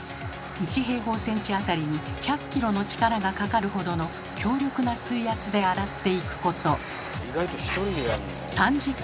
１平方センチあたりに１００キロの力がかかるほどの強力な水圧で洗っていくこと３時間。